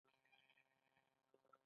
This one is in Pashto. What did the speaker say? دا د صلاحیت د تعویض څخه عبارت دی.